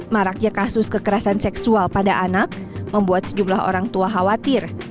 maraknya kasus kekerasan seksual pada anak membuat sejumlah orang tua khawatir